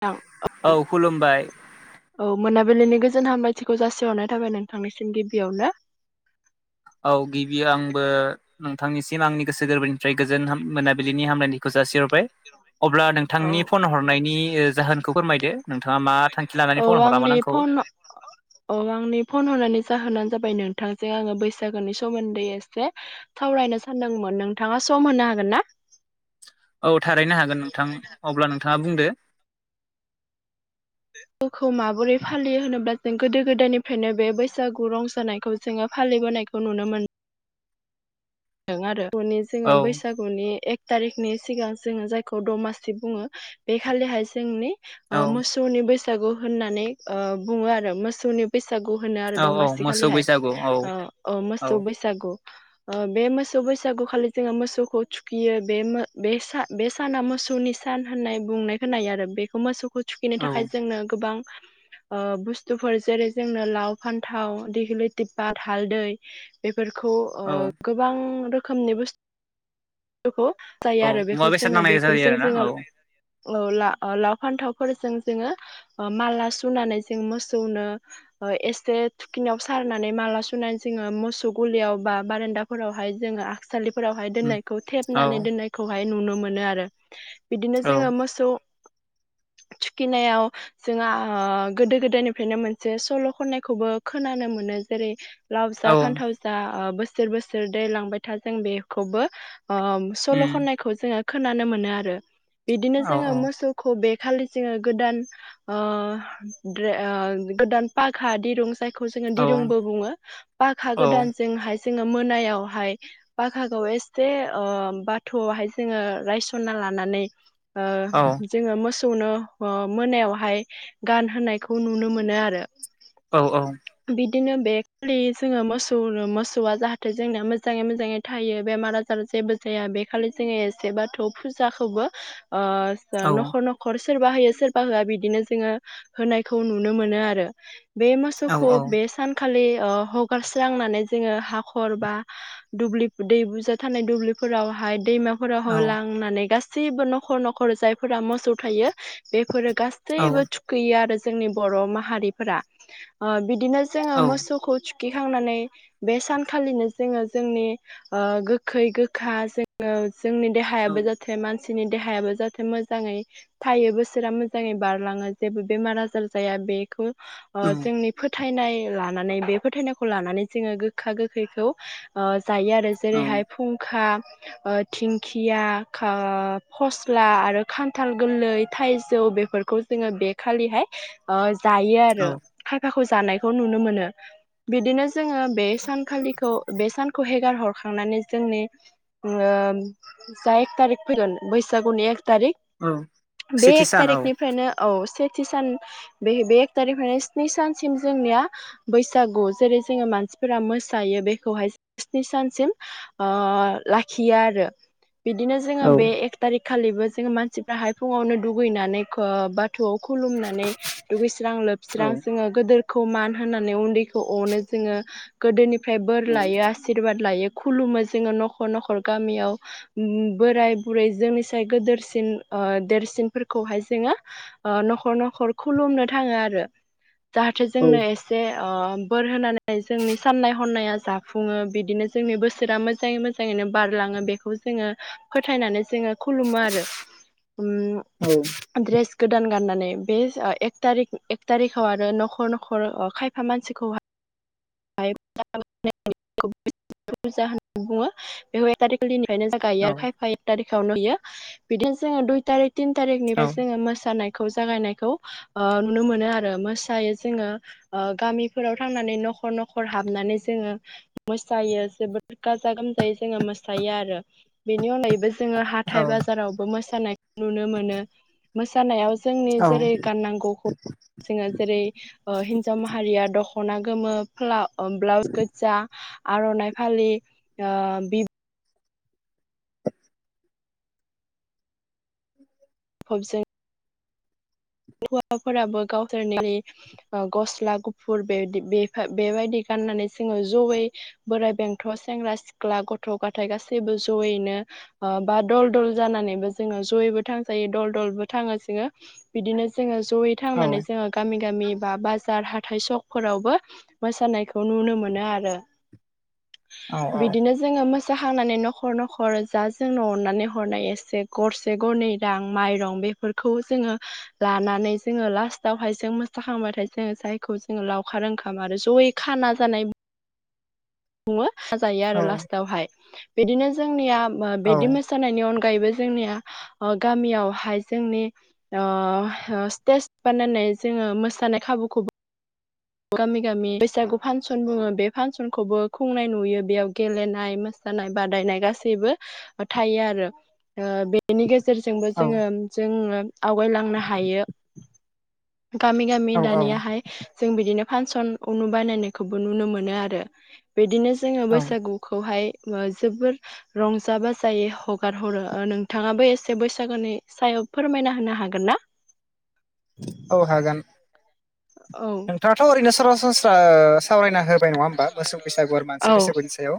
थां अ औ खुलुमबाय। औ मोनाबिलिनि गोजोन हामायथिखौ जासिहरनाय थाबाय नोंथांनिसिम गिबियावनो। औ गिबि आंबो नोंथांनिसिम आंनि गोसो गोरबोनिफ्राय गोजोन मोनाबिलिनि हामलायनायनि खौ जासिहरबाय अब्ला औ नोंथांनि फन हरनायनि जाहोनखौ फोरमायदो। नोंथाङा मा थांखि लानानै फन हरामोन आंखौ? अ आंनि फन हरनानै जाहोनानो जाबाय नोंथांजों आङो बैसागोनि सोमोन्दै एसे सावरायनो सानदोंमोन नोंथाङा सम होनो हागोन ना? औ थारैनो हागोन नोंथां अब्ला नोंथाङा बुंदो। खौ माबोरै फालियो होनोब्ला जों गोदो गोदायनिफ्रायनो बे बैसागु रंजानायखौ जोङो फालिबोनायखौ खौ नुनो मोनो। आरो हनि जोङो औ बैसागु मनि एक थारिखनि सिगां जोङो जायखौ दमासि बुङो बे खालिहाय जोंनि ओ औ मोसौनि बैसागु होननानै बुङो आरो मोसौनि बैसागु होनो आरो औ औ दमासि मोसौ खालिहाय बैसागु औ ओ औ मोसौ बैसागु ओ बे मोसौ बैसागुखालि जोङो मोसौखौ थुखियो बे बे साना मोसौनि। सान होननाय बुंनाय होनायो आरो बेखौ मोसौखौ थुखिनो औ थाखाय जोंनो गोबां ओ बुस्थुफोर जेरै जोंनो लाव फान्थाव देगलि टिब्बा हालदै। बेफोरखौ औ गोबां रोखोमनि बुस्थुखौ जायो औ आरो मुवा बेखौ बेसाद जोङो नांनाय जायो बेफोरजों आरोना जोङो औ औ लाव फान्थावफोरजों जोङो माला सुनानै जों मोसौनो एसे थुखिनिाव सारनानै माला सुनानै जोङो मोसौ गलियाव बा बारेदा फोरावहाय जोङो आठसालिफोरावहाय उम दोननायखौ औ थेबनानै दोननायखौहाय नुनो मोनो आरो। बिदिनो औ जोङो मोसौ थुखिनायाव जोंहा गोदो गोदायनिफ्रायनो मोनसे सल' खननायखौबो खोनानो मोनो जेरै लाव जा औ फान्थाव जा बोसोर बोसोर दै लांबाय था जों बेखौबो ओ सल' उम खननायखौ जोङो खोनानो मोनो आरो बिदिनो औ जोङो औ मोसौ खौ बे खालि जोङो गोदान आ गोदान पाखा दिरुं ओ जायखौ जोङो औ दिरुंबो बुङो पाका औ गोदानजोंहाय जोङो मोनायावहाय बाखागाव एसे बाथौआवहाय जोङो रायसना लानानै ओ औ जोङो मोसौनो मोनायावहाय गानहायखौ नुनो मोनो आरो। औ औ बिदिनो बे खालि जोङो मोसौ मोसौआ जाहाथे नथाय जोंना मोजाङै मोजाङै थायो बेमार आजार जेबो जाया बे खालि जोङो एसे बाथौ फुजाखौबो आ न'खर औ न'खर सोरबा होयो सोरबा होआ बिदिनो जोङो होनायखौ नुनो मोनो आरो। बे मोसौखौ बे सानखालि ओ हगारस्रांनानै जोङो हाखौ हाखर बा दुब्लि दै बुजा थानाय दुब्लिफोरावहाय दैमाफोराव लांनानै गासै गासैबो न'खर न'खर जायफोरा मोसौ थायो बेफोरो औ गासैबो थुखैयो आरो जोंनि बर' माहारिफोरा बिदिनो जोङो औ मोसौखौ खिखांनानै बे सान खालिनो जोङो जोंनि गोखै गोखा जोङो जोंनि औ देहायाबो ज जाहाथे मानसिनि देहायाबो जाहाथे मोजाङै थायो बोसोरा मोजाङै बारलाङो जेबो बेमार आजार जाया बेखौ औ जोंनि फोथायनाय लानानै बे फोथायनायखौ लानानै जोङो गोखा गोखा गोखैखौ जायो आरो औ जेरैहाय फुंखा थिंखिया फस्ला आरो खान्थाल गोरलै थाइजौ बेफोरखौ जोङो बे खालिहाय जायो आरो औ थाखाखौ जानायखौ नुनो मोनो बिदिनो जोङो बे सान आखालिखौ बे सानखौ हेगार हरखांनानै जोंनि ज तारिख फै बैसागुनि ए तारिख औ बे सेथि एक सान औ तारिखनि ओमफ्रायनो औ सेथि सान बे बे एक थारिखनो स्नि सानसिम जोंनिया बैसागु जेरै जोङो मानसिफोरा मो जायो बेखौहाय सनि सानसिम लाखियो आरो बिदिनो जोङो औ बे एक थारिख खालिबो जोङो मानसिफ्रा हायफुङावनो दुगैनानै बा गोथौआव खुलुमनानै दुगैस्रां औ लोबस्रां जोङो गोदोर मान होनानै उन्दैखौनो जोङो गोदोनिफ्राय बोर औ ल आसिरबाद लायो खुलुमो जोङो न'खर न'खर गामियाव बोराय बुरै जोंनि साय गोदेरसिन देरसिनफोरखौहाय जोङो न'खर न'खर खुलुमनो थाङो आरो जाहाथे औ जोंनो एसे बोर होनानै जोंनि साननाय खन्नाया जाफुङो बिदिनो जोंनि बोसोरा मोजाङै मोजाङैनो बारलाङो बेखौ जोङो फोथायनानै जोङो खुलुमो आरो औ दड्रेस गोदान गाननानै बेक थारि एक थारिखाव आरो न'खर न'खर खायफा मानसिखौ बुरजा होननानै बुङो बेखौ एक थारिखनिफ्रायनो जों गायो आरो औ खायफा एक थारिखआवनो नुयो बिदिनो जोङो दुइ थारिख [unintelligible] तिन औ थारिखनिफ्राय जोङो मोसानायखौ जागायनायखौ नुनो मोनो आरो मोसायो जोङो गामिफोराव थांनानै न'खर न'खर हर हाबनानै जोङो मोसायो जोबोोर गाजा गोमजायै जोङो मोसायो आरो बेनि अनगायैबो जोङो हाथथाय बाजारावबो मोसानायखौ नुनो मोनो मोसानायाव जोंनि जेरै गाननांगौखौ जोङो जेरै हिनजाव माहारिया दखना गोमोला ब्लाउस गोजा आर'नाइ फालि आ बि फबस [unintelligible] हौवाफोराबो गावसोरनि गस्ला गुफुर बे बेबायदि गाननानै जोङो जयै बोराइ बेंथ' सेंग्रा सिख्ला गथ' गथायाइ गासैबो जयैनो बा दल दल जानानैबो जोङो जयैबो थांजायो दल दलबो थाङो जोङो बिदिनो जोङो जयै थांनानै जोङो गामि गामि बा बाजार हाथाइ सकफोरावबो मोसानायखौ नुनो मोनो आरो बिदिनो जोङो मोसाहांनानै न'खर न'खर जा जोंनो अननानै हरनाय एसे गरसे से गरनै दां माइरं बेफोरखौ जोङो लानानै जोङो लास्टावहाय जों मोसाखांबाथाय जोङो जायखौ जोङो लावखार ओंखाम आरो जयै खाना जानाय खुङो हाजायो औ आरो लास्टावहाय बिदिनो जोंनिया बिदि मोसानायनि अनगायैबो जोंनिया गामियावहाय जोंनि स्टेज बाननानै जोङो मोसानाय खाबुखौबो गामि गामि बैसागु फांसन बुङो बे फांसनखौबो खुंनाय नुयो बेयाव गेलेनाय मोसा नाय बादायनाय गासैबो थायो आरो बेनि गेजेरजोंबो जोङो जोङो आवगायलांनो हायो। गामि गामि औ दानियाहाय जों बिदिनो फांसन नु बानायनायखौबो नुनो मोनो आरो बिदिनो जोङो औ बैसागु खौहाय जोबोर रंजा बाजायै हगार हरो नोंथाङाबो एसे बैसागोनि सायाव फोरमायना बुंनो हागोन ना? औ हागोन। औ दाथ' ओरैनो सरासनस्रा सावरायना होबाय नङा होमबा मोस बैसागु आरो मानसि औ बैसागुनि सायाव।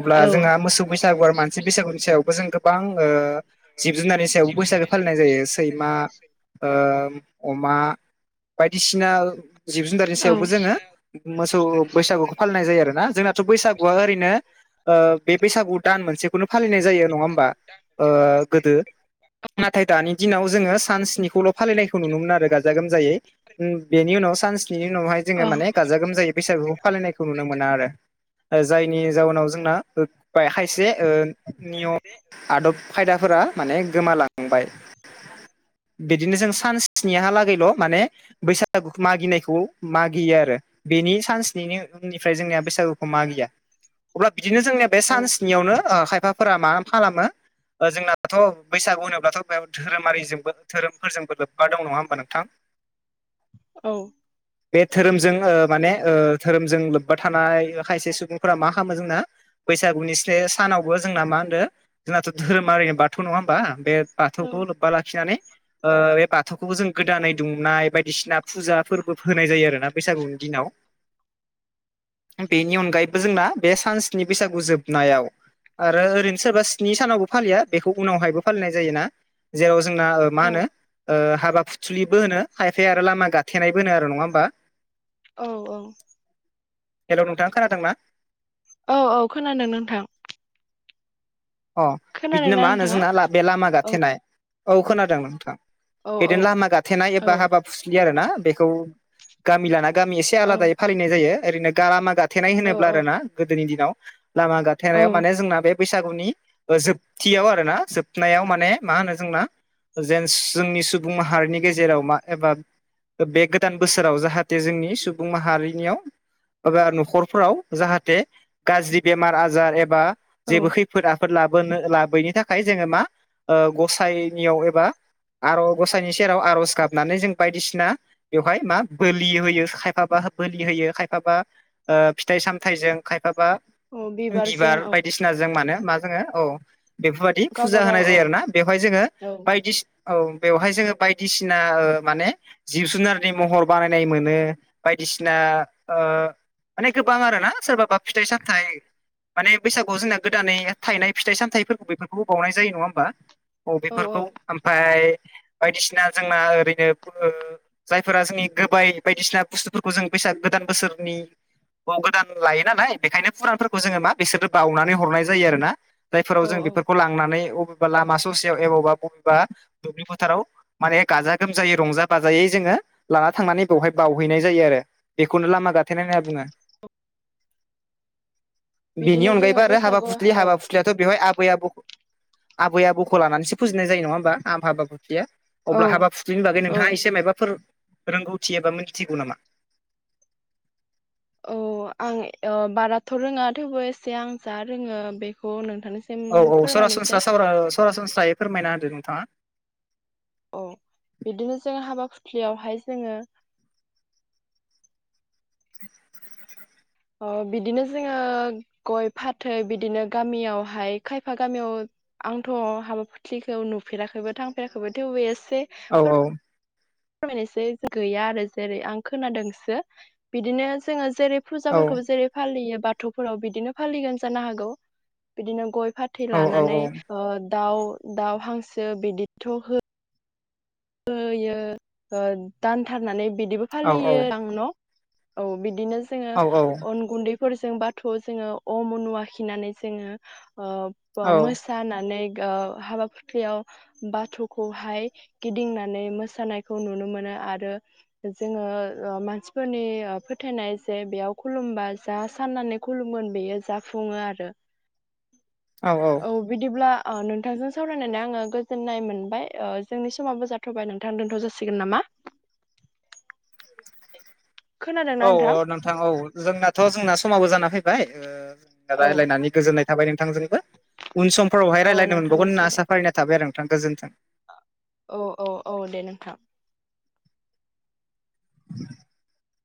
अब्ला औ जोंहा मोसौ बैसागु आरो मानसि बैसागुनि सायावबो जों गोबां ओ जिब जुनारनि सायावबो बैसागो फालिनाय जायो सैमा ओ अमा बायदिसिना जिब जुनादारनि औ सायावबो जोङो मोसौ बैसागुखौ फालिनाय जायो आरो ना जोंनाथ' बैसागुआ ओरैनो बे बैसागु दान मोनसेखौनो फालिनाय जायो नङा होमबा ओ गोदो दिनाव जोङो सान सनिखौल' फालि खौ नुनोमोन आरो गाजा गोमजायै। बेनि उनाव सानस्निनि उनावहाय जोङो औ माने गाजा गोमजायै बैसागुखौ फालिनायखौ नुनो मोना आरो। जायनि जाउनाव जोंना खायसे नियम आदब खायदाफोरा माने गोमालांबाय बिदिनो जों सान स्निहालागैल' माने बैसागु मागिनायखौ मागियो आरो। बेनि सानस्निनि उननिफ्राय जोंनिया बैसागुखौ मागिया। अब्ला बिदिनो जोंनिया बे औ सानस्नियावनो ओ खायफाफोरा मा खालामो? जोंनाथ' बैसागु होनोब्लाथ' बेयाव धोरोमारिजोंबो धोरोमफोरजोंबो लोब बा मा दङ ना होमबा नोंथां? औ बे धोरोमजों ओ माने धोरोमजों लोब्बा थानाय खायसे सुबुंफोरा मा खालामो जोंना बैसागुनि स सानावबो जोंना मा होनदों जोंनाथ' धोरोमाओरैनि बाथौ नङा होमबा बे बाथौखौ लोब्बा लाखिनानै आ बे बाथौ बाथौखौबो जों गोदानै दुंनाय बायदिसिना फुजा फोरबो होनाय जायो आरोना बैसागुनि दिनाव। [inaudible] बेनि अनगायैबो जोंना बे सानस्नि बैसागु जोबनायाव आरो ओरैनो सोरबा स्नि सानावबो फालिया बेखौ उनावहायबो फालिनाय जायोना। जेराव जोंना मा औ होनो? ओ हाबा फुथुलिबो होनो खायफाया आरो लामा गाथेनायबो होनो आरो नङा होमबा? औ औ हेलौ नोंथां खोनादोंना? औ औ खोनादों नोंथां। अ बिदिनो खोनादोंना मा होनो नोंथाङा जोंना बे लामा गाथेनाय औ खोनादों नोंथां। औ औ बिदिनो लामा गाथेनाय औ एबा हाबा फुस्लि आरोना बेखौ गामि लाना गामि एसे औ आलादायै फालिनाय जायो ओरैनो गारा मागा थेनाय औ होनोब्ला औ आरोना गोदोनि दिनाव लामा औ गाथेनायाव माने जोंना बे बैसागुनि ओ जोबथियाव आरोना जोबनायाव माने मा होनो जोंना जेन जोंनि सुबुं माहारिनि गेजेराव मा एबा बे गोदान बोसोराव जाहाथे जोंनि सुबुं माहारिनियाव एबा न'खरफोराव जाहाथे गाज्रि बेमार आजार एबा औ जेबो खैफोद आफो फोद लाबोनो लाबोयैनि थाखाय जोङो मा ओ गसाइनियाव एबा आर' गसायनि सेराव आर'ज गाबनानै जों बायदिसिना बेवहाय मा बोलि होयो खायफाबा बोलि होयो खायफाबा ओ फिथाइ सामथाइजों खायफाबा औ बिबारजों बिबार औ बायदिसिना जों मानो मा जोङो औ बेफोरबादि फुजा गावबागाव होनाय औ जायो आरोना बेवहाय जोङो औ बायदिसि औ बेवहाय जोङो बायदिसिना ओ माने जिब जुनारनि महर बानायनाय मोनो बायदिसिना ओ माने गोबां आरोना सोरबाबा फिथाइ सामथाइ माने बैसागुआव जोंना गोदानै थायनाय फिथाइ सामथाइफोरखौ बेफोरखौबो बावनाय जायो नङा होमबा अ औ बेफोरखौ ओमफाय बायदिसिना जोंना ओरैनो जायफोरा जोंनि गोबाय बायदिसिना बुस्थुफोरखौ जों बैसाग गोदान बोसोरनि औ गोदान लायो नालाय बेखायनो फुरानफोरखौ जोङो मा बिसोरो बावनानै हरनाय जायो आरोना जायफोराव औ जों औ बेफोरखौ लांनानै अबेबा लामा ससेयाव एबावबा बबेबा दुब्लि फोथाराव माने गाजा गोमजायै रंजा बाजायै जोङो लाना थांनानै बेवहाय बावहैनाय जायो आरो बेखौनो लामा गाथेनाय होनना बुङो [inaudible] बेनि बिदिनो जोङो अनगायैबो आरो हाबा बैसागु औ फुस्लि औ हाबा फुथ्लियाथ' बेवहाय आबै आबौखौ आबै आबौखौ लानानैसो फुजिनाय जायो नङा होमबा आं हाबा फुथ्लिया औ अब्ला हाबा फुथ्रिनि बागै औ नोंथाङा एसे माबाफोर रोंगौथि एबा मिथिगौ नामा औ आं बाराथ' रोङा थेवबो एसे आं जा रोङो बेखौ नोंथांनि औ औ सरासनस्रा सरासनस्रायै फोरमायना होदो नोंथाङा औ बिदिनो जोङो हाबा खुथिलियावहाय जोङो [inaudible] अ बिदिनो जोङो गय फाथै बिदिनो गामियावहाय खायफा गामियाव आंथ' हाबा फ्रिखौ नुफेराखैबो थांफेराखैबो थेवबो एसे औ औ फोरमायनोसै गैया आरो जेरै आं खोनादोंसो बिदिनो जोङो जेरै औ फुजाफोरखौ जेरै फालियो बाथौफोराव बिदिनो फालिगोन जानो हागौ बिदिनो गय फाथ थै औ औ लानानै दाउ दाउ हांसो बिदिथ' हो होयो दानथारनानै बिदिबो औ औ फालियो आं न औ बिदिनो जोङो औ अन गुन्दैफोरजों बाथौआव जोङो अम अनु आखिनानै जोङो औ मो जानानै ओ हाबा फुथ्लियाव बाथौखौहाय गिदिंनानै मोसानायखौ नुनो मोनो आरो जोङो मानसिफोरनि फोथायनाय जे बेयाव खुलुमबा जा साननानै खुलुमोन बेयो जाफुङो आरो औ औ औ बिदिब्ला नोंथांजों सावरायनानै आङो गोजोननाय मोनबाय जोंनि समाबो जाथ'बाय नोंथां दोन्थ' जासिगोन नामा औ औ नोंथां औ जोंनाथ जोंना समाबो जाना फैबाय औ रायलायनानै गोजोननाय थाबाय नोंथांजोंबो उन समफोरावहाय औ रायज्लायनो मोनबावगोन होनना नोंथांनिसिमबो आसा फारिनाय थाबाय आरो नोंथां गोज्थों औ औ औ दे नोंथां [inaudible]